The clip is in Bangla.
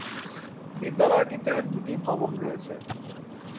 বিদ্যালয়টিতে দুটি ভবন রয়েছে।